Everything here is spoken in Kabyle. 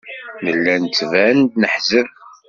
Nella nettban-d neḥzen.